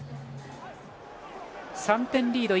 ３点リード